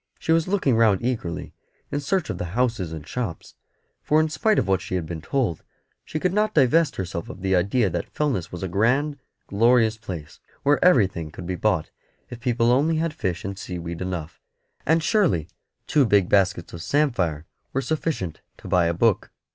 She was looking round eagerly in search of the houses and shops, for in spite of what she had been told, she could not divest herself of the idea that Fellness was a grand, glorious place, where everything could be bought if people only had fish and seaweed enough; and surely two big baskets of samphire were sufficient to buy a book.